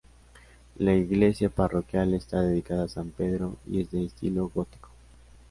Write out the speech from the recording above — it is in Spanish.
La iglesia parroquial está dedicada a San Pedro y es de estilo gótico.